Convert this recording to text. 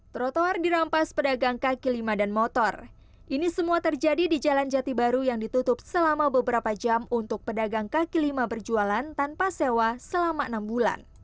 trotoar dirampas pedagang kaki lima dan motor ini semua terjadi di jalan jati baru yang ditutup selama beberapa jam untuk pedagang kaki lima berjualan tanpa sewa selama enam bulan